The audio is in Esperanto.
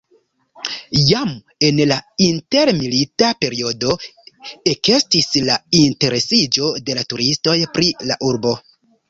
Jam en la intermilita periodo ekestis la interesiĝo de turistoj pri la urbo.